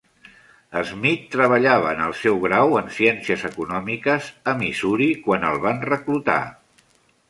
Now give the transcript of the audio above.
Smith treballava en el seu grau en ciències econòmiques a Missouri quan el van reclutar.